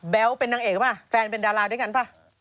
แบ๊วเป็นนางเอกป่ะแฟนเป็นดาราด้วยกันป่ะ